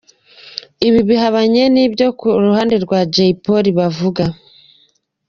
Ibi bihabanye n'ibyo ku ruhande rwa Jay Polly bavuga.